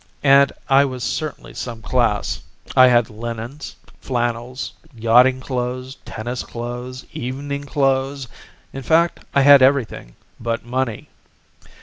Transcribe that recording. And I was certainly some class; I had linens, flannels, yachting clothes, tennis clothes, evening clothes; in fact I had everything but money.